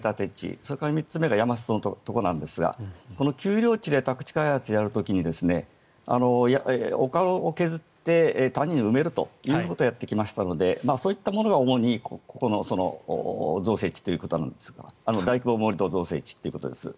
それから３つ目が山裾のところなんですが丘陵地で宅地開発をやる時に丘を削って谷を埋めるということをやってきましたのでそういったものが主にここの大規模盛土造成地ということです。